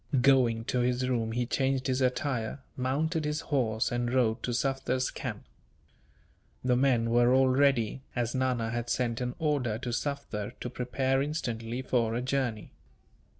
Going to his room he changed his attire, mounted his horse, and rode to Sufder's camp. The men were all ready, as Nana had sent an order to Sufder to prepare instantly for a journey.